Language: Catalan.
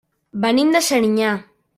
Venim de Serinyà.